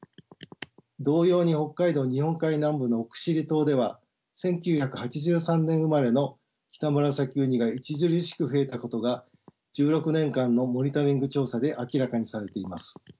同様に北海道日本海南部の奥尻島では１９８３年生まれのキタムラサキウニが著しく増えたことが１６年間のモニタリング調査で明らかにされています。